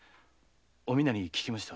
おみなに聞きました。